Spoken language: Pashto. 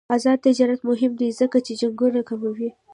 آزاد تجارت مهم دی ځکه چې جنګونه کموي.